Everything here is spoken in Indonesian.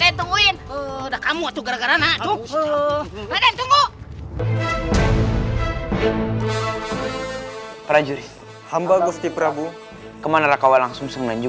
mereka sedang menyusul putra kukian santang ke sukamandu